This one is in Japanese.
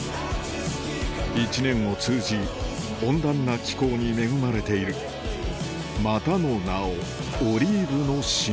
一年を通じ温暖な気候に恵まれているまたの名を「オリーブの島」